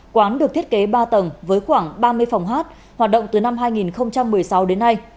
quán được thiết kế ba tầng với khoảng ba mươi phòng hát hoạt động từ năm hai nghìn một mươi sáu đến nay